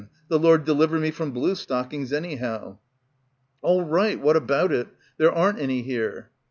The Lord deliver me from blue stockings, anyhow." "All right i what about it? There aren't any here